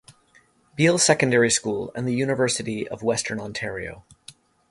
Beal Secondary School and the University of Western Ontario.